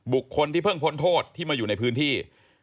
คนที่เพิ่งพ้นโทษที่มาอยู่ในพื้นที่